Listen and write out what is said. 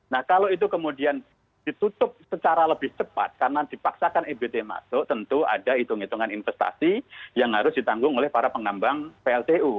nah kalau itu kemudian ditutup secara lebih cepat karena dipaksakan ebt masuk tentu ada hitung hitungan investasi yang harus ditanggung oleh para pengembang pltu